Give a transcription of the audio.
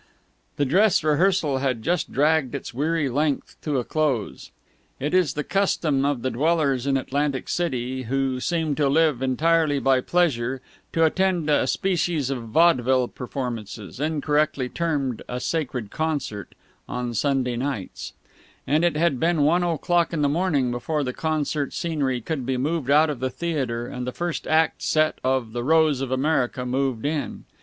The dress rehearsal had just dragged its weary length to a close. It is the custom of the dwellers in Atlantic City, who seem to live entirely by pleasure, to attend a species of vaudeville performances incorrectly termed a sacred concert on Sunday nights, and it had been one o'clock in the morning before the concert scenery could be moved out of the theatre and the first act set of "The Rose of America" moved in.